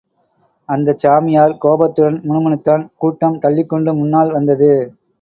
அந்த சாமியார் கோபத்துடன் முணுமுணுத்தான், கூட்டம் தள்ளிக் கொண்டு முன்னால் வந்தது.